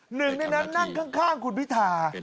หนึ่งในนั้นนั่งข้างคุณพิธา